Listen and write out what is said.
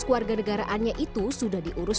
keluarga negaraannya itu sudah diurus